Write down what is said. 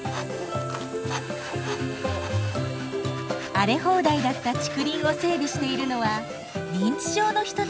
荒れ放題だった竹林を整備しているのは認知症の人たち。